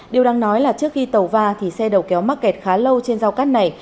điều đáng nói là trước khi tàu va thì xe đầu kéo mắc kẹt khá lâu trên giao cát này